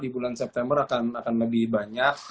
di bulan september akan lebih banyak